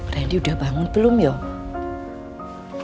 randy udah bangun belum yuk